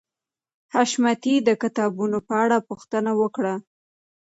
حشمتي د کتابونو په اړه پوښتنه وکړه